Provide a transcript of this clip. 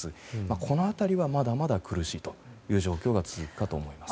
この辺りはまだまだ苦しい状況が続くかと思います。